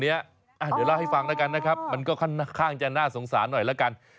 เดี๋ยวเล่าให้ฟังแล้วกันนะครับมันก็ค่อนข้างจะน่าสงสารหน่อยแล้วกัน